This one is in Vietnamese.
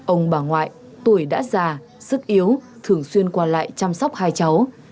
ông bà ngoại tuổi đã già sức yếu thường xuyên qua lại chăm sóc hai cháu